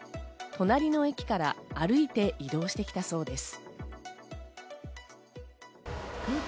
隣の駅から歩いて移動してきたそうです。